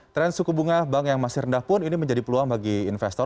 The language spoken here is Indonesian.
tren suku bunga bank yang masih rendah pun ini menjadi peluang bagi investor